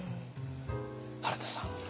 原田さん。